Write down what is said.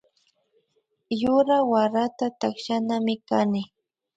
Yura warata takshanami kani